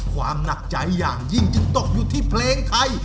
ความหนักใจอย่างยิ่งจึงตกอยู่ที่เพลงไทย